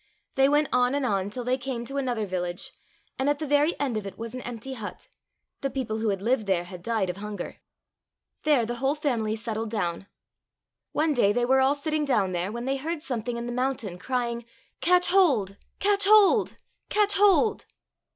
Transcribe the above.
They went on and on till they came to another village, and at the very end of it was an empty hut — the people who had lived there had died of hunger. There the whole 261 COSSACK FAIRY TALES family settled down. One day they were all sitting down there when they heard something in the moun tain crying, " Catch hold ! catch hold ! catch hold